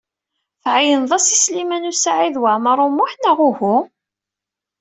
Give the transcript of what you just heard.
Tɛeyyneḍ-as i Sliman U Saɛid Waɛmaṛ U Muḥ, neɣ uhu?